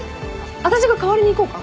私が代わりに行こうか？